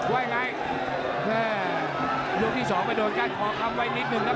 ว่าอย่างไรโลกที่สองไปโดนกันขอคำไว้นิดนึงครับ